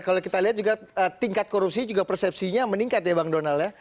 kalau kita lihat juga tingkat korupsi juga persepsinya meningkat ya bang donald ya